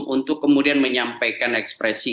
untuk kemudian menyampaikan ekspresi